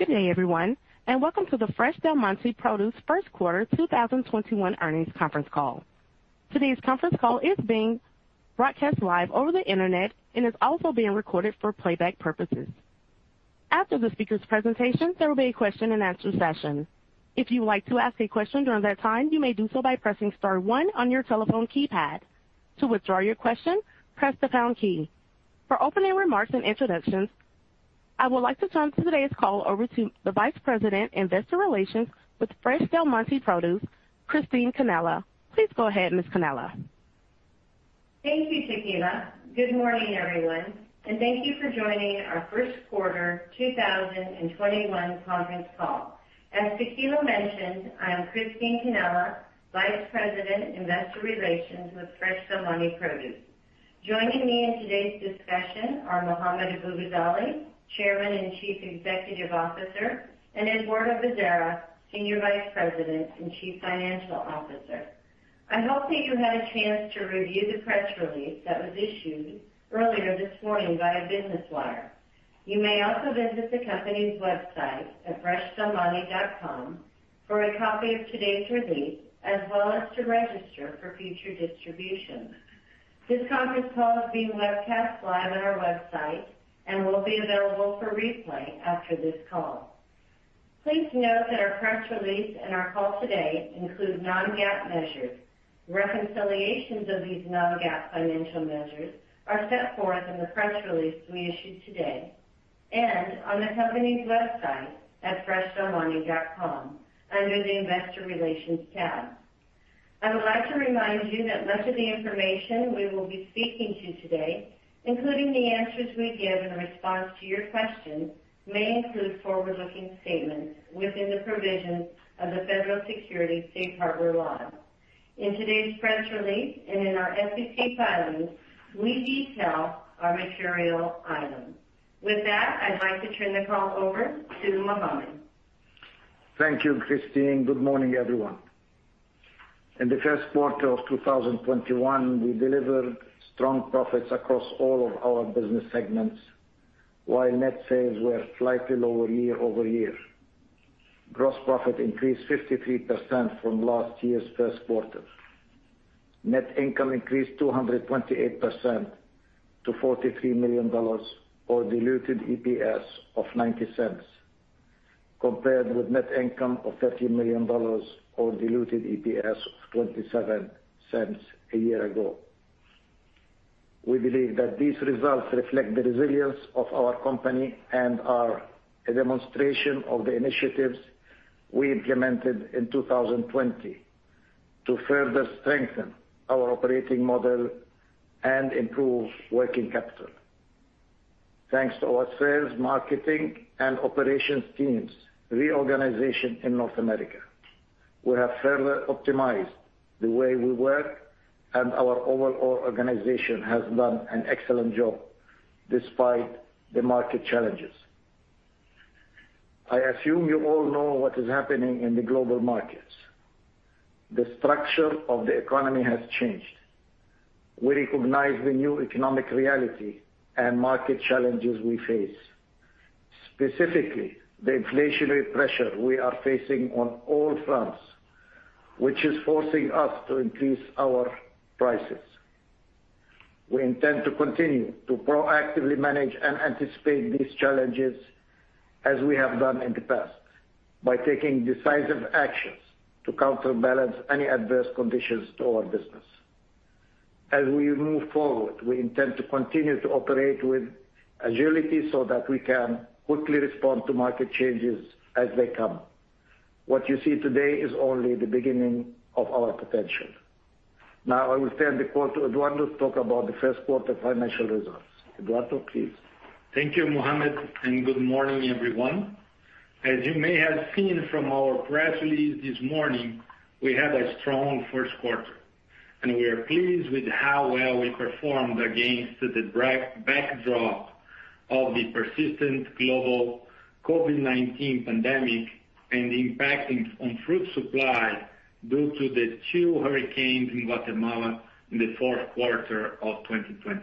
Good day, everyone, and welcome to the Fresh Del Monte Produce first quarter 2021 earnings conference call. Today's conference call is being broadcast live over the internet and is also being recorded for playback purposes. After the speaker's presentation, there will be a question and answer session. If you would like to ask a question during that time, you may do so by pressing star one on your telephone keypad. To withdraw your question, press the pound key. For opening remarks and introductions, I would like to turn today's call over to the Vice President, Investor Relations with Fresh Del Monte Produce, Christine Cannella. Please go ahead, Ms. Cannella. Thank you, Takila. Good morning, everyone, and thank you for joining our first quarter 2021 conference call. As Takila mentioned, I am Christine Cannella, Vice President, Investor Relations with Fresh Del Monte Produce. Joining me in today's discussion are Mohammad Abu-Ghazaleh, Chairman and Chief Executive Officer, and Eduardo Bezerra, Senior Vice President and Chief Financial Officer. I hope that you had a chance to review the press release that was issued earlier this morning via Business Wire. You may also visit the company's website at freshdelmonte.com for a copy of today's release, as well as to register for future distributions. This conference call is being webcast live on our website and will be available for replay after this call. Please note that our press release and our call today include non-GAAP measures. Reconciliations of these non-GAAP financial measures are set forth in the press release we issued today and on the company's website at freshdelmonte.com under the Investor Relations tab. I would like to remind you that much of the information we will be speaking to today, including the answers we give in response to your questions, may include forward-looking statements within the provisions of the Federal Securities Safe Harbor Law. In today's press release and in our SEC filings, we detail our material items. With that, I'd like to turn the call over to Mohammad. Thank you, Christine. Good morning, everyone. In the first quarter of 2021, we delivered strong profits across all of our business segments, while net sales were slightly lower year-over-year. Gross profit increased 53% from last year's first quarter. Net income increased 228% to $43 million, or diluted EPS of $0.90, compared with net income of $13 million or diluted EPS of $0.27 a year ago. We believe that these results reflect the resilience of our company and are a demonstration of the initiatives we implemented in 2020 to further strengthen our operating model and improve working capital. Thanks to our sales, marketing, and operations teams' reorganization in North America, we have further optimized the way we work, and our overall organization has done an excellent job despite the market challenges. I assume you all know what is happening in the global markets. The structure of the economy has changed. We recognize the new economic reality and market challenges we face, specifically the inflationary pressure we are facing on all fronts, which is forcing us to increase our prices. We intend to continue to proactively manage and anticipate these challenges as we have done in the past, by taking decisive actions to counterbalance any adverse conditions to our business. As we move forward, we intend to continue to operate with agility so that we can quickly respond to market changes as they come. What you see today is only the beginning of our potential. Now, I will turn the call to Eduardo to talk about the first quarter financial results. Eduardo, please. Thank you, Mohammad, and good morning, everyone. As you may have seen from our press release this morning, we had a strong first quarter, and we are pleased with how well we performed against the backdrop of the persistent global COVID-19 pandemic and the impact on fruit supply due to the two hurricanes in Guatemala in the fourth quarter of 2020.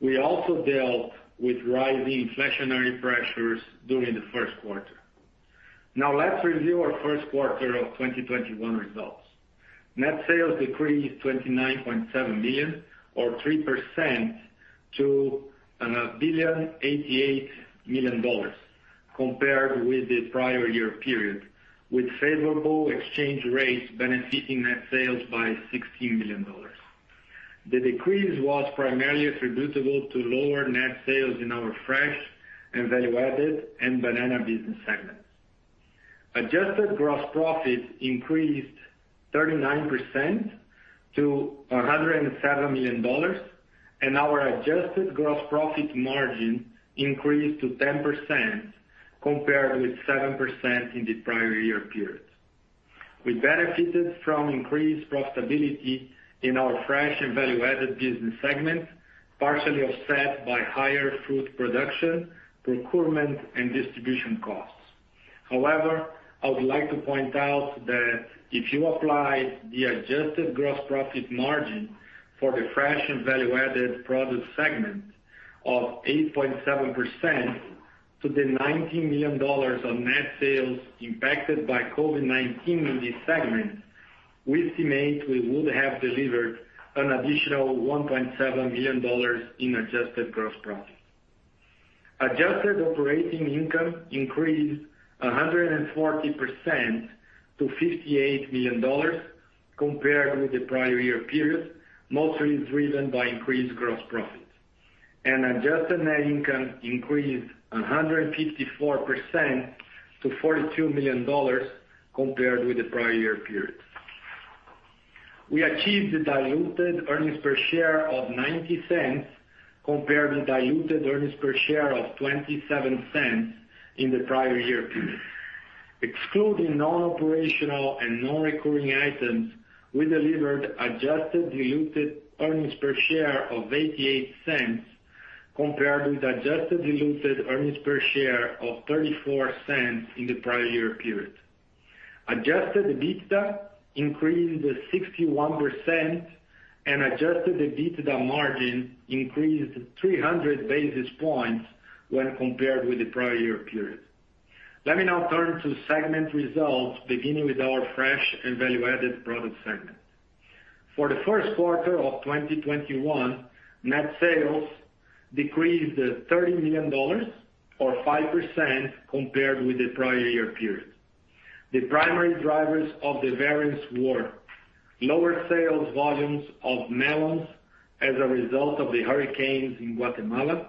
We also dealt with rising inflationary pressures during the first quarter. Now let's review our first quarter of 2021 results. Net sales decreased $29.7 million or 3% to $1.088 billion compared with the prior year period, with favorable exchange rates benefiting net sales by $16 million. The decrease was primarily attributable to lower net sales in our fresh and value-added and banana business segments. Adjusted gross profit increased 39% to $107 million and our adjusted gross profit margin increased to 10% compared with 7% in the prior year period. We benefited from increased profitability in our fresh and value-added business segment, partially offset by higher fruit production, procurement, and distribution costs. However, I would like to point out that if you apply the adjusted gross profit margin for the fresh and value-added product segment of 8.7% to the $90 million on net sales impacted by COVID-19 in this segment, we estimate we would have delivered an additional $1.7 million in adjusted gross profit. Adjusted operating income increased 140% to $58 million compared with the prior year period, mostly driven by increased gross profit. Adjusted net income increased 154% to $42 million compared with the prior year period. We achieved the diluted earnings per share of $0.90 compared with diluted earnings per share of $0.27 in the prior year period. Excluding non-operational and non-recurring items, we delivered adjusted diluted earnings per share of $0.88 compared with adjusted diluted earnings per share of $0.34 in the prior year period. Adjusted EBITDA increased 61%, and adjusted EBITDA margin increased 300 basis points when compared with the prior year period. Let me now turn to segment results, beginning with our Fresh and Value-Added Product Segment. For the first quarter of 2021, net sales decreased $30 million or 5% compared with the prior year period. The primary drivers of the variance were lower sales volumes of melons as a result of the hurricanes in Guatemala,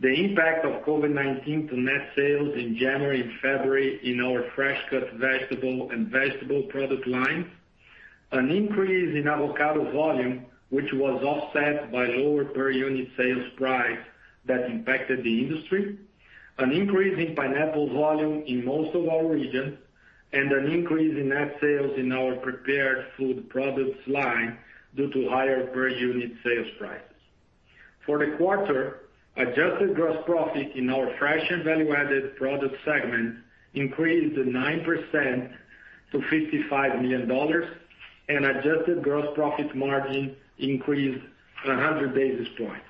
the impact of COVID-19 to net sales in January and February in our fresh cut vegetable and vegetable product lines, an increase in avocado volume, which was offset by lower per unit sales price that impacted the industry, an increase in pineapple volume in most of our regions, and an increase in net sales in our prepared food products line due to higher per unit sales prices. For the quarter, adjusted gross profit in our fresh and value-added product segment increased 9% to $55 million, and adjusted gross profit margin increased 100 basis points.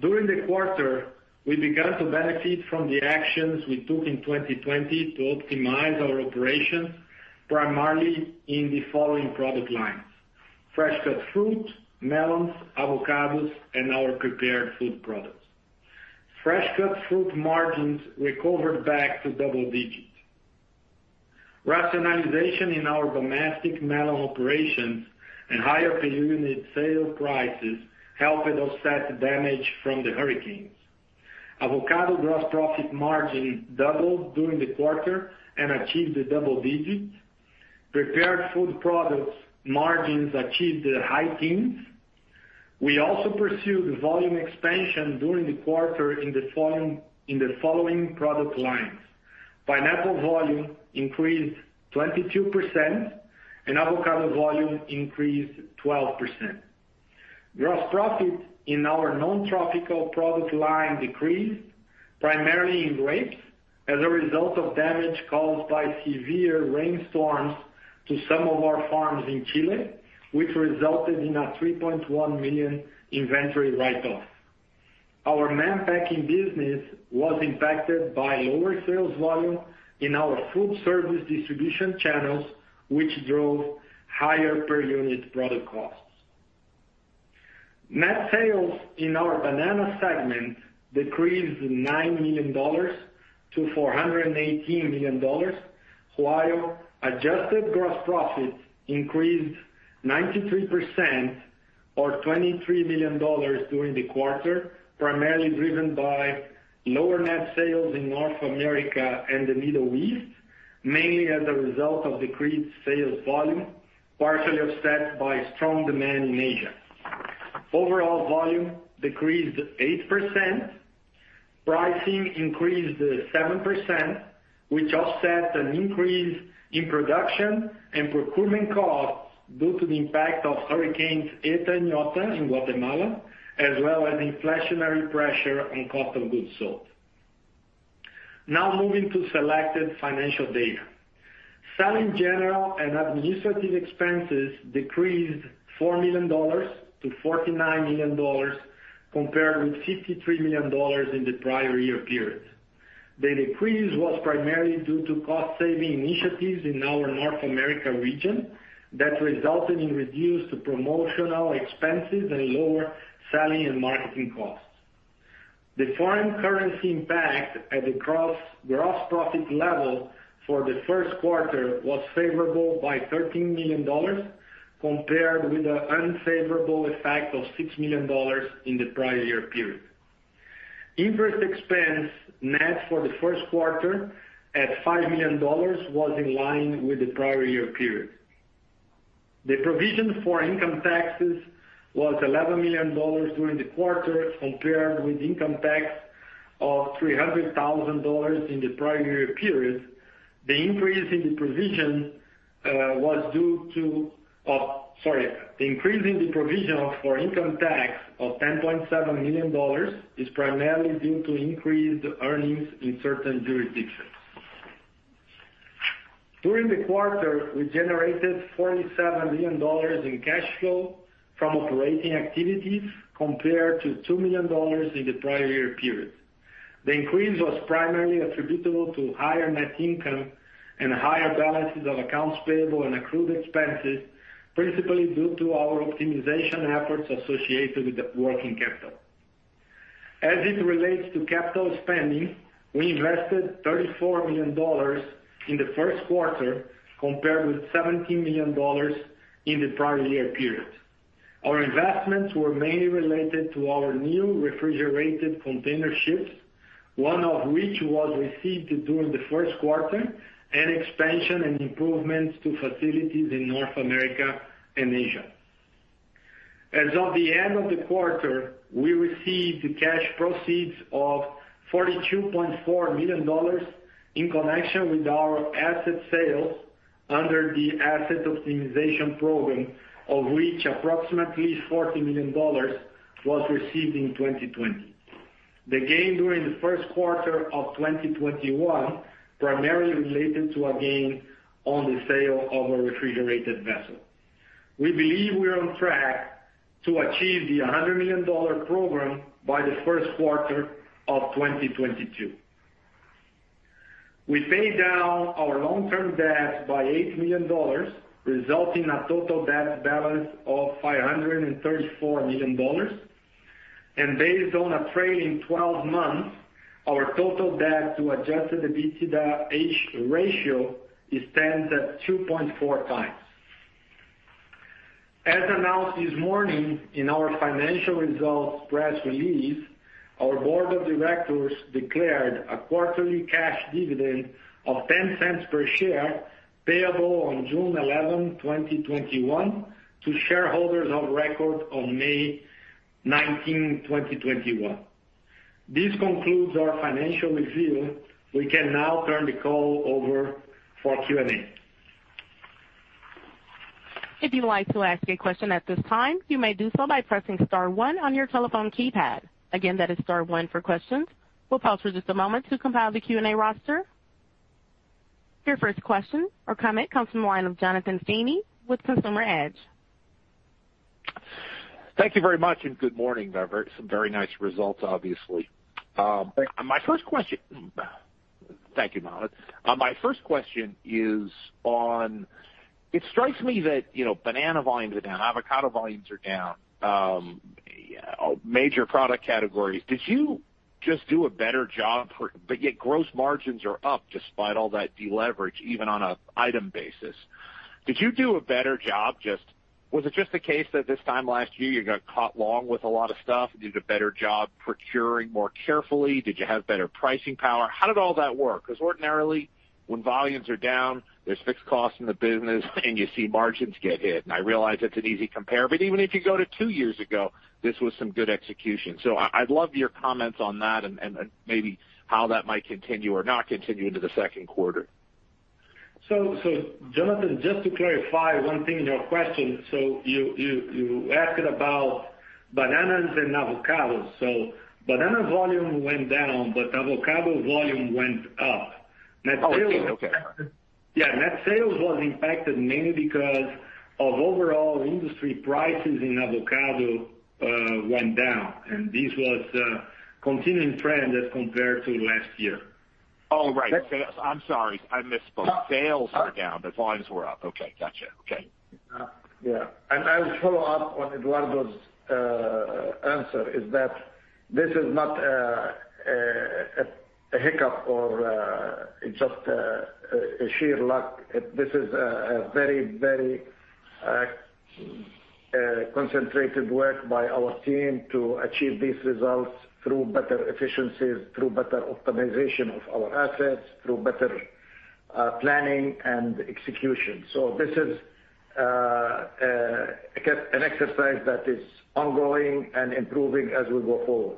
During the quarter, we began to benefit from the actions we took in 2020 to optimize our operations, primarily in the following product lines, fresh cut fruit, melons, avocados, and our prepared food products. Fresh cut fruit margins recovered back to double digits. Rationalization in our domestic melon operations and higher per unit sale prices helped offset the damage from the hurricanes. Avocado gross profit margin doubled during the quarter and achieved double digits. Prepared food products margins achieved high teens. We also pursued volume expansion during the quarter in the following product lines. Pineapple volume increased 22%, and avocado volume increased 12%. Gross profit in our non-tropical product line decreased primarily in grapes as a result of damage caused by severe rainstorms to some of our farms in Chile, which resulted in a $3.1 million inventory write-off. Our Mann Packing business was impacted by lower sales volume in our food service distribution channels, which drove higher per unit product costs. Net sales in our banana segment decreased $9 million to $418 million, while adjusted gross profit increased 93% or $23 million during the quarter, primarily driven by lower net sales in North America and the Middle East, mainly as a result of decreased sales volume, partially offset by strong demand in Asia. Overall volume decreased 8%. Pricing increased 7%, which offsets an increase in production and procurement costs due to the impact of hurricanes Eta and Iota in Guatemala, as well as inflationary pressure on cost of goods sold. Now moving to selected financial data. Selling, general, and administrative expenses decreased $4 million to $49 million, compared with $53 million in the prior year period. The decrease was primarily due to cost-saving initiatives in our North America region that resulted in reduced promotional expenses and lower selling and marketing costs. The foreign currency impact at the gross profit level for the first quarter was favorable by $13 million, compared with the unfavorable effect of $6 million in the prior year period. Interest expense net for the first quarter at $5 million was in line with the prior year period. The provision for income taxes was $11 million during the quarter, compared with income tax of $300,000 in the prior year period. The increase in the provision was due to, sorry, the increase in the provision for income tax of $10.7 million is primarily due to increased earnings in certain jurisdictions. During the quarter, we generated $47 million in cash flow from operating activities compared to $2 million in the prior year period. The increase was primarily attributable to higher net income and higher balances of accounts payable and accrued expenses, principally due to our optimization efforts associated with the working capital. As it relates to capital spending, we invested $34 million in the first quarter, compared with $17 million in the prior year period. Our investments were mainly related to our new refrigerated container ships, one of which was received during the first quarter, and expansion and improvements to facilities in North America and Asia. As of the end of the quarter, we received cash proceeds of $42.4 million in connection with our asset sales under the asset optimization program, of which approximately $40 million was received in 2020. The gain during the first quarter of 2021 primarily related to a gain on the sale of a refrigerated vessel. We believe we are on track to achieve the $100 million program by the first quarter of 2022. We paid down our long-term debt by $8 million, resulting in a total debt balance of $534 million. Based on a trailing 12 months, our total debt to adjusted EBITDA ratio stands at 2.4x. As announced this morning in our financial results press release, our board of directors declared a quarterly cash dividend of $0.10 per share, payable on June 11, 2021, to shareholders of record on May 19, 2021. This concludes our financial review. We can now turn the call over for Q&A. If you'd like to ask a question at this time, you may do so by pressing star one on your telephone keypad. Again, that is star one for questions. We'll pause for just a moment to compile the Q&A roster. Your first question or comment comes from the line of Jonathan Feeney with Consumer Edge. Thank you very much, and good morning, everyone. Some very nice results, obviously. Thank you. Thank you, Mohammad. My first question is on, it strikes me that banana volumes are down, avocado volumes are down, major product categories. Did you just do a better job but yet gross margins are up despite all that deleverage, even on an item basis. Did you do a better job Was it just the case that this time last year, you got caught long with a lot of stuff and did a better job procuring more carefully? Did you have better pricing power? How did all that work? Ordinarily, when volumes are down, there's fixed costs in the business, and you see margins get hit. I realize it's an easy compare, but even if you go to two years ago, this was some good execution. I'd love your comments on that and maybe how that might continue or not continue into the second quarter. Jonathan, just to clarify one thing in your question. You asked about bananas and avocados. Banana volume went down, but avocado volume went up. Oh, okay. Net sales was impacted mainly because of overall industry prices in avocado went down, and this was a continuing trend as compared to last year. Oh, right. I'm sorry, I misspoke. Sales were down, but volumes were up. Okay, got you. Okay. Yeah. I will follow up on Eduardo's answer, is that this is not a hiccup or it's just sheer luck. This is a very concentrated work by our team to achieve these results through better efficiencies, through better optimization of our assets, through better planning and execution. This is an exercise that is ongoing and improving as we go forward.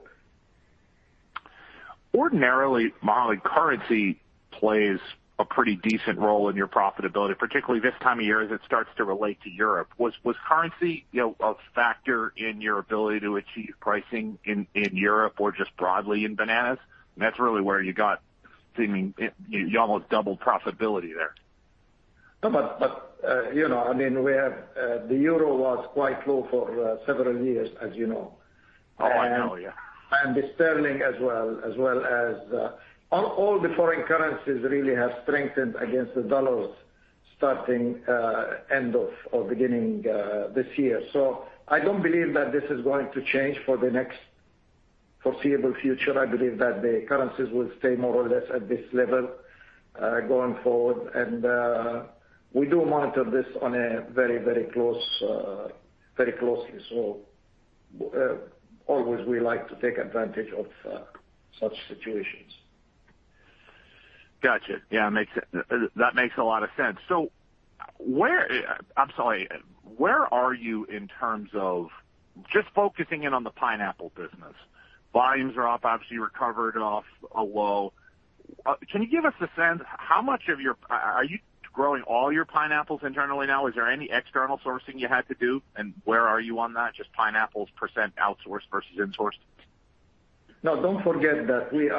Ordinarily, Mohammad, currency plays a pretty decent role in your profitability, particularly this time of year as it starts to relate to Europe. Was currency a factor in your ability to achieve pricing in Europe or just broadly in bananas? That's really where you almost doubled profitability there. I mean, the Euro was quite low for several years, as you know. Oh, I know, yeah. The sterling as well. All the foreign currencies really have strengthened against the dollar starting end of or beginning this year. I don't believe that this is going to change for the next foreseeable future. I believe that the currencies will stay more or less at this level going forward. We do monitor this very closely. Always we like to take advantage of such situations. Got you. Yeah, that makes a lot of sense. Where are you just focusing in on the pineapple business. Volumes are up, obviously you recovered off a low. Can you give us a sense, are you growing all your pineapples internally now? Is there any external sourcing you had to do, and where are you on that? Just pineapples percent outsourced versus insourced. No, don't forget that we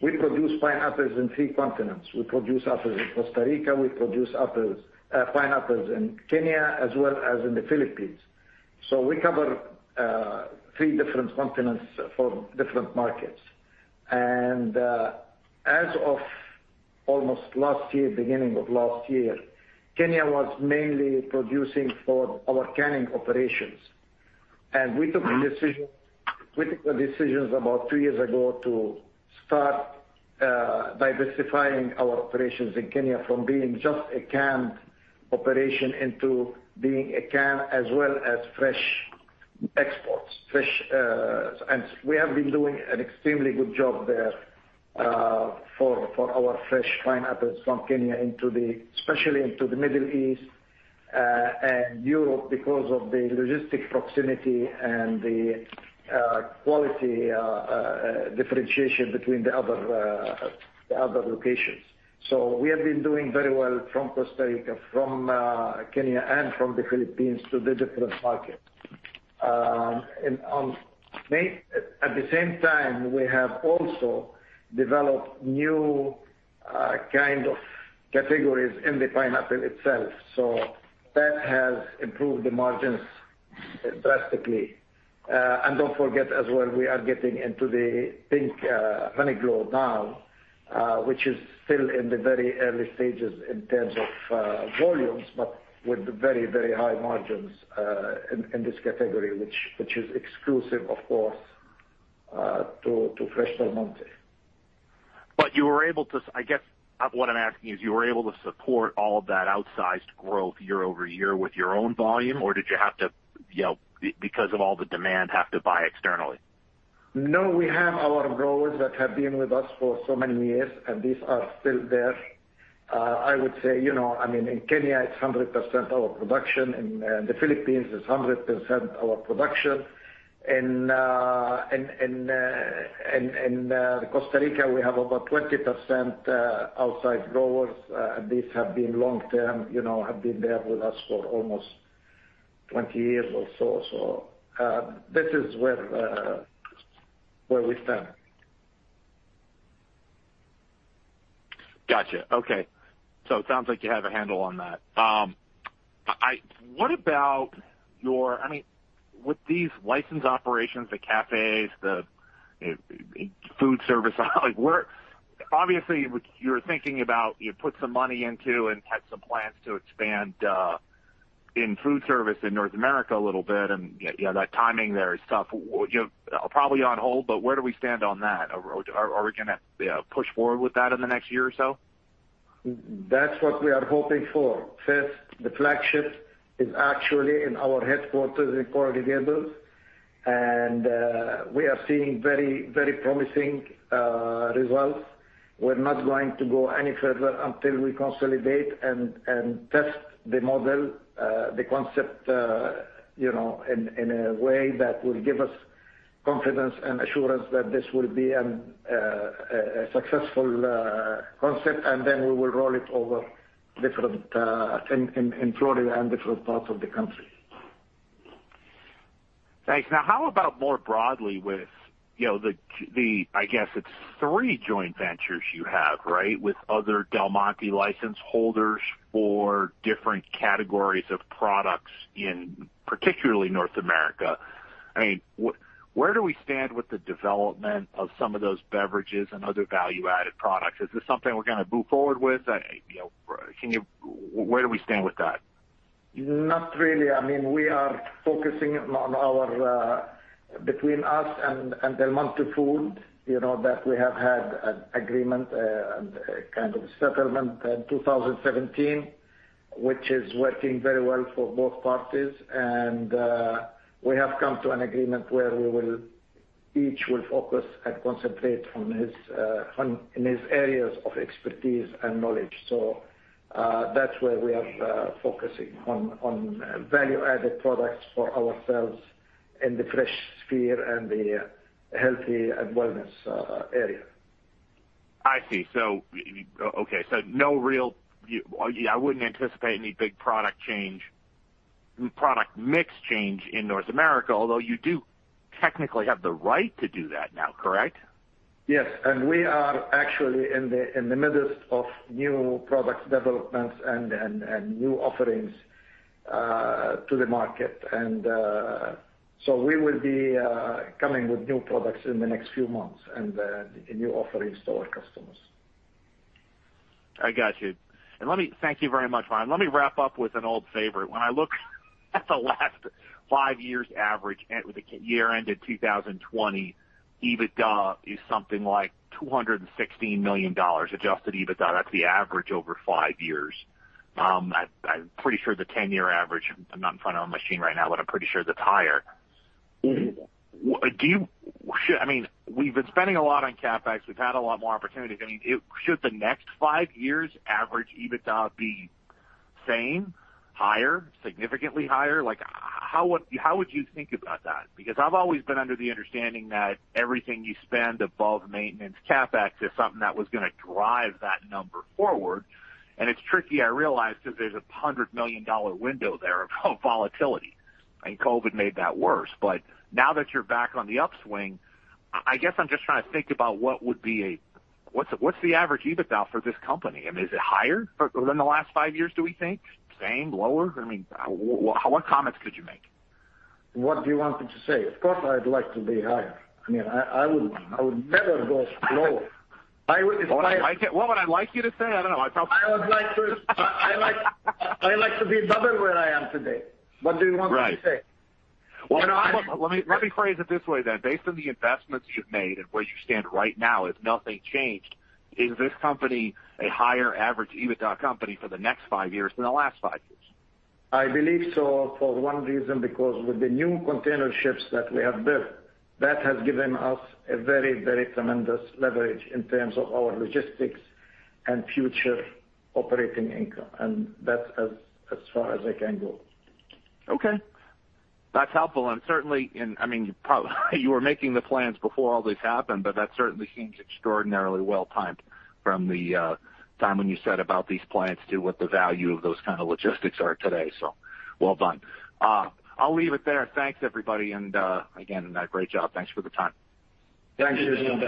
produce pineapples in three continents. We produce pineapples in Costa Rica, we produce pineapples in Kenya, as well as in the Philippines. We cover three different continents for different markets. As of almost last year, beginning of last year, Kenya was mainly producing for our canning operations. We took the decisions about two years ago to start diversifying our operations in Kenya from being just a canned operation into being a can as well as fresh exports. We have been doing an extremely good job there for our fresh pineapples from Kenya, especially into the Middle East and Europe because of the logistic proximity and the quality differentiation between the other locations. We have been doing very well from Costa Rica, from Kenya, and from the Philippines to the different markets. At the same time, we have also developed new kind of categories in the pineapple itself, so that has improved the margins drastically. Don't forget as well, we are getting into the Pinkglow now, which is still in the very early stages in terms of volumes, but with very high margins in this category, which is exclusive, of course, to Fresh Del Monte. You were able to I guess what I'm asking is, you were able to support all of that outsized growth year-over-year with your own volume? Or did you have to, because of all the demand, have to buy externally? We have our growers that have been with us for so many years, and these are still there. I would say, in Kenya, it's 100% our production. In the Philippines, it's 100% our production. In Costa Rica, we have about 20% outside growers. These have been long-term, have been there with us for almost 20 years or so. This is where we stand. Got you. Okay. It sounds like you have a handle on that. With these licensed operations, the cafes, the food service, obviously, you're thinking about, you put some money into and had some plans to expand in food service in North America a little bit, and that timing there is tough. Probably on hold, but where do we stand on that? Are we going to push forward with that in the next year or so? That's what we are hoping for. The flagship is actually in our headquarters in Coral Gables, and we are seeing very promising results. We're not going to go any further until we consolidate and test the model, the concept, in a way that will give us confidence and assurance that this will be a successful concept, and then we will roll it over in Florida and different parts of the country. Thanks. How about more broadly with the, I guess it's three joint ventures you have, right? With other Del Monte license holders for different categories of products in particular North America. Where do we stand with the development of some of those beverages and other value-added products? Is this something we're going to move forward with? Where do we stand with that? Not really. We are focusing between us and Del Monte Foods, that we have had an agreement and a kind of settlement in 2017, which is working very well for both parties. We have come to an agreement where we will each will focus and concentrate in his areas of expertise and knowledge. That's where we are focusing, on value-added products for ourselves in the fresh sphere and the healthy and wellness area. I see. Okay. I wouldn't anticipate any big product change, product mix change in North America, although you do technically have the right to do that now, correct? Yes. We are actually in the midst of new product developments and new offerings to the market. We will be coming with new products in the next few months and new offerings to our customers. I got you. Thank you very much, Mohammad. Let me wrap up with an old favorite. When I look at the last five years average with the year-ended 2020, EBITDA is something like $216 million, adjusted EBITDA. That's the average over five years. I'm pretty sure the 10-year average, I'm not in front of my machine right now, I'm pretty sure that's higher. We've been spending a lot on CapEx. We've had a lot more opportunities. Should the next five years average EBITDA be same? Higher? Significantly higher? How would you think about that? I've always been under the understanding that everything you spend above maintenance CapEx is something that was going to drive that number forward. It's tricky, I realize, because there's a $100 million window there of volatility, and COVID made that worse. Now that you're back on the upswing, I guess I'm just trying to think about what's the average EBITDA for this company, and is it higher than the last five years, do we think? Same? Lower? What comments could you make? What do you want me to say? Of course, I'd like to be higher. I would never go lower. What would I like you to say? I don't know. I like to be double where I am today. What do you want me to say? Right. Let me phrase it this way, then. Based on the investments you've made and where you stand right now, if nothing changed, is this company a higher average EBITDA company for the next five years than the last five years? I believe so for one reason, because with the new container ships that we have built, that has given us a very tremendous leverage in terms of our logistics and future operating income, and that's as far as I can go. Okay. That's helpful, and certainly, you were making the plans before all this happened, but that certainly seems extraordinarily well-timed from the time when you set about these plans to what the value of those kind of logistics are today. Well done. I'll leave it there. Thanks, everybody. Again, great job. Thanks for the time. Thank you.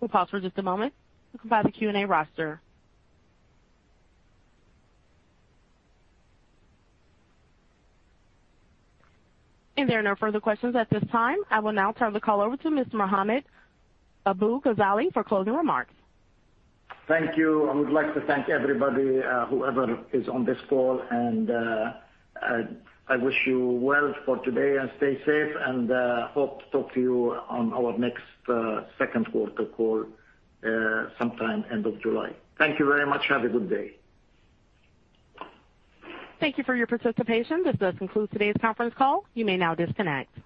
We'll pause for just a moment to compile the Q&A roster. If there are no further questions at this time, I will now turn the call over to Mr. Mohammad Abu-Ghazaleh for closing remarks. Thank you. I would like to thank everybody, whoever is on this call, and I wish you well for today and stay safe and hope to talk to you on our next second quarter call sometime end of July. Thank you very much. Have a good day. Thank you for your participation. This does conclude today's conference call. You may now disconnect.